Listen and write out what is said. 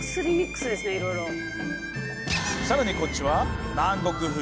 更にこっちは南国風。